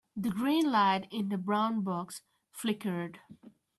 The green light in the brown box flickered.